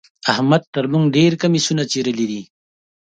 احمد تر موږ ډېر کميسونه څيرلي دي.